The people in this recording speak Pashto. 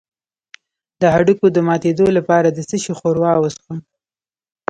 د هډوکو د ماتیدو لپاره د څه شي ښوروا وڅښم؟